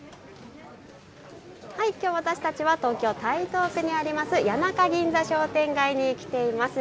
きょう私たちは東京台東区にある谷中銀座商店街に来ています。